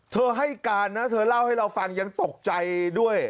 ให้การนะเธอเล่าให้เราฟังยังตกใจด้วย